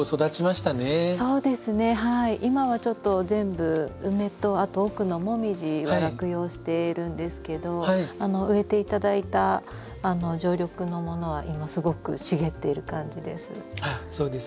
今はちょっと全部ウメと奥のモミジは落葉してるんですけど植えて頂いた常緑のものは今すごく茂っている感じです。